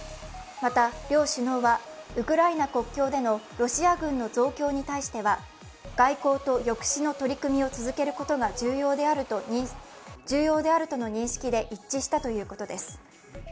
また、両首脳は、ウクライナ国境でのロシア軍の増強に対しては外交と抑止の取り組みを続けることが重要であるとの認識で一致したとのことです。